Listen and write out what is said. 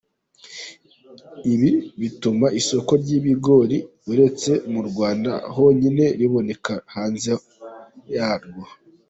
Ibi bituma isoko ry’ibigori, uretse mu Rwanda honyine, riboneka no hanze yarwo.